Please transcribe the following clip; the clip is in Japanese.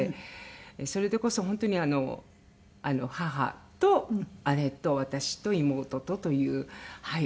それでこそ本当に母と姉と私と妹とという４人で。